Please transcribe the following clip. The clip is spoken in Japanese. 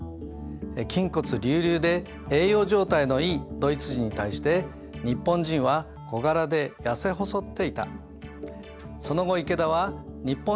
筋骨隆々で栄養状態のいいドイツ人に対して日本人は小柄で痩せ細っていた。